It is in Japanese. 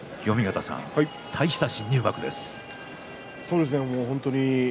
清見潟さん、大した新入幕です。